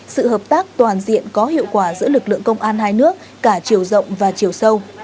sự hợp tác toàn diện có hiệu quả giữa lực lượng công an hai nước cả chiều rộng và chiều sâu